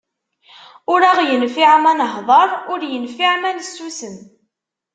Ur aɣ-yenfiɛ ma nahḍer, ur yenfiɛ ma nessusem.